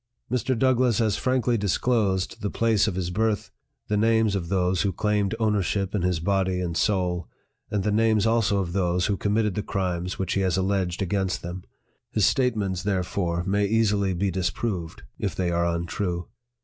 Mr. DOUGLASS has frankly disclosed the place of his birth, the names of those who claimed ownership in his body and soul, and the names also of those who committed the crimes which he has alleged against them. His statements, therefore, may easily be dis proved, if they are untrue.